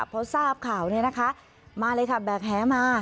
พอทราบข่าวเนี่ยนะคะมาเลยค่ะแบกแหมา